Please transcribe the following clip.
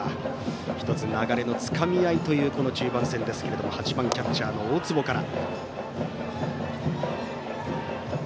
流れのつかみ合いという中盤戦ですけれども８番キャッチャーの大坪から。